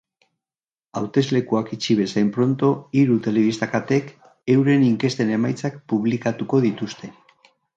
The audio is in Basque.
Hauteslekuak itxi bezain pronto, hiru telebista-katek euren inkesten emaitzak publikatuko dituzte.